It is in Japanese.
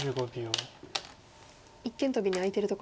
一間トビに空いてるところですね。